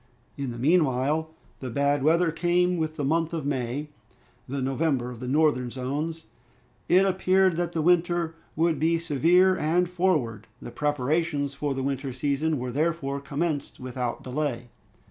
In the meanwhile, the bad weather came with the month of May, the November of the northern zones. It appeared that the winter would be severe and forward. The preparations for the winter season were therefore commenced without delay.